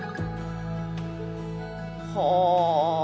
はあ！